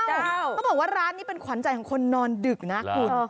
เขาบอกว่าร้านนี้เป็นขวัญใจของคนนอนดึกนะคุณ